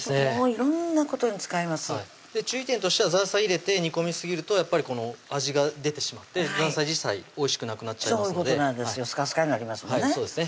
色んなことに使えます注意点としてはザーサイ入れて煮込みすぎるとやっぱり味が出てしまってザーサイ自体おいしくなくなっちゃいますのでスカスカになりますもんね